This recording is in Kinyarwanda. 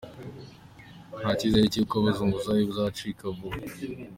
Nta cyizere cy’uko ubuzunguzayi buzacika vuba.